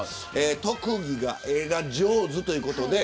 特技が絵が上手ということで。